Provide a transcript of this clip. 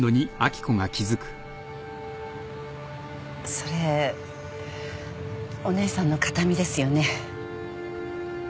それお姉さんの形見ですよね？